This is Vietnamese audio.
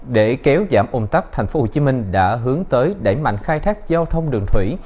để kéo giảm ôm tắt tp hcm đã hướng tới đẩy mạnh khai thác giao thông đường thủy